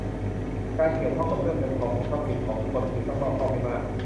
การเกี่ยวข้องกับเรื่องเงินทองทรัพย์สินของคนอื่นต้องรอบคอบให้มาก